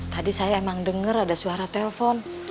tadi saya emang denger ada suara telpon